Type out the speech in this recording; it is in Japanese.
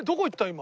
今。